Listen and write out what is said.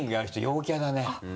陽キャだね。